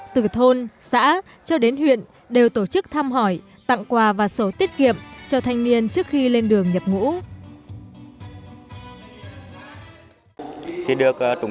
từ thôn xã cho đến huyện đều tổ chức thăm hỏi tặng quà và sổ tiết kiệm cho thanh niên trước khi lên đường nhập ngũ